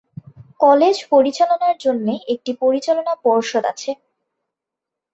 College পরিচালনার জন্যে একটি পরিচালনা পর্ষদ আছে।